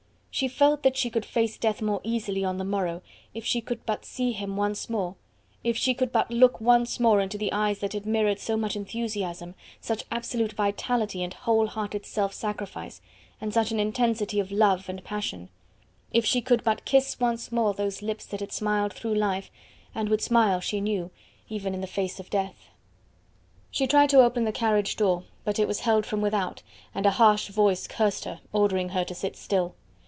She felt that she could face death more easily on the morrow if she could but see him once, if she could but look once more into the eyes that had mirrored so much enthusiasm, such absolute vitality and whole hearted self sacrifice, and such an intensity of love and passion; if she could but kiss once more those lips that had smiled through life, and would smile, she knew, even in the face of death. She tried to open the carriage door, but it was held from without, and a harsh voice cursed her, ordering her to sit still.